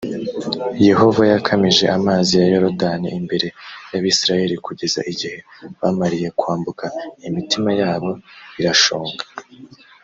yehova yakamije amazi ya yorodani imbere y abisirayeli kugeza igihe bamariye kwambuka imitima yabo irashonga